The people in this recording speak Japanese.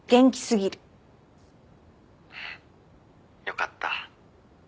よかった。